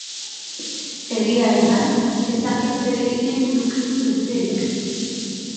Egia erran, ez dakit zer eginen nukeen besterik.